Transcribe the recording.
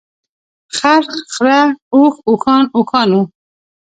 خر، خره، اوښ ، اوښان ، اوښانو .